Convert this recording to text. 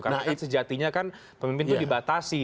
karena sejatinya kan pemimpin itu dibatasi